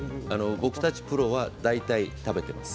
僕たちプロは大体食べています